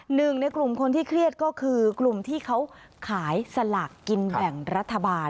หนึ่งในกลุ่มคนที่เครียดก็คือกลุ่มที่เขาขายสลากกินแบ่งรัฐบาล